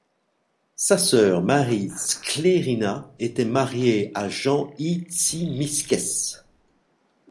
Sa sœur Marie Sklérina était mariée à Jean I Tzimiskès.